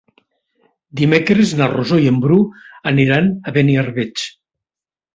Dimecres na Rosó i en Bru aniran a Beniarbeig.